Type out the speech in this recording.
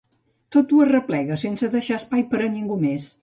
Tot ho arreplega, sense deixar espai per a ningú més.